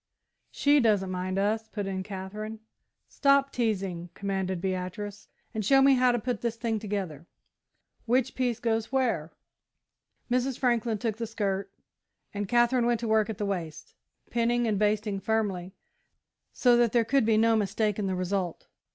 "She doesn't mind us," put in Katherine. "Stop teasing," commanded Beatrice, "and show me how to put the thing together. Which piece goes where?" Mrs. Franklin took the skirt and Katherine went to work at the waist, pinning and basting firmly, so that there could be no mistake in the result.